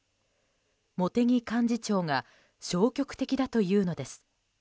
茂木幹事長が消極的だというのです。